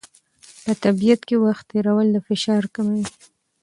په طبیعت کې وخت تېرول د فشار کموي.